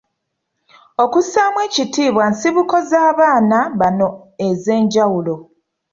Okussaamu ekitiibwa ensibuko z’abaana bano ez’enjawulo.